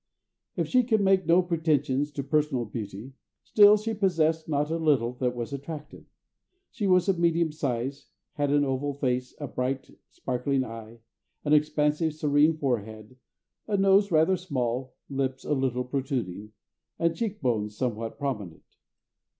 If she could make no pretensions to personal beauty, still she possessed not a little that was attractive. She was of medium size, had an oval face, a bright, sparkling eye, an expansive, serene forehead, a nose rather small, lips a little protruding, and cheek bones somewhat prominent.